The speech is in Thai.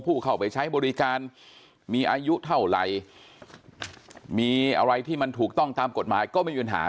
ผู้เข้าไปใช้บริการมีอายุเท่าไหร่มีอะไรที่มันถูกต้องตามกฎหมายก็ไม่มีปัญหา